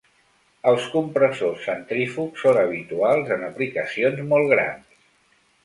Els compressors centrífugs són habituals en aplicacions molt grans.